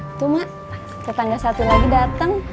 itu mak tetangga satu lagi datang